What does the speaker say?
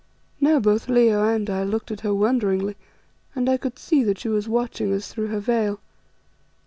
Now both Leo and I looked at her wonderingly, and I could see that she was watching us through her veil.